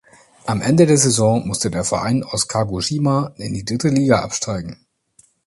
Am Ende der Saison musste der Verein aus Kagoshima in die dritte Liga absteigen.